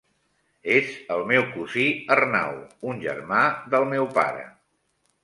És el meu cosí Arnau, un germà del meu pare.